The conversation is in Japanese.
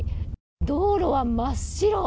道路は真っ白。